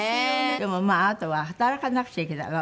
でもまああなたは働かなくちゃいけない。